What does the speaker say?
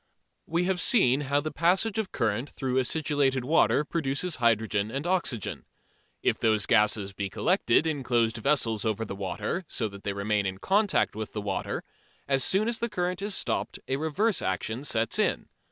We have seen how the passage of current through acidulated water produces hydrogen and oxygen. If those gases be collected in closed vessels over the water, so that they remain in contact with the water, as soon as the current is stopped a reverse action sets in.